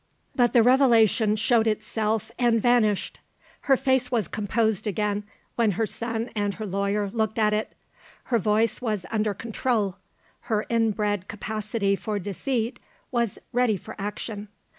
But the revelation showed itself, and vanished. Her face was composed again, when her son and her lawyer looked at it. Her voice was under control; her inbred capacity for deceit was ready for action.